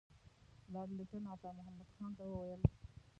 لارډ لیټن عطامحمد خان ته وویل.